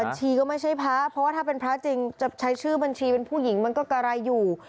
ก็ไม่ใช่พระเพราะว่าถ้าเป็นพระจริงจะใช้ชื่อบัญชีเป็นผู้หญิงมันก็กะไรอยู่